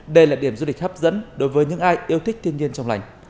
đây là điểm du lịch hấp dẫn đối với những ai yêu thích thiên nhiên trong lành